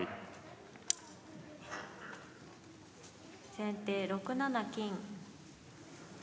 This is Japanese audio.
先手６七金。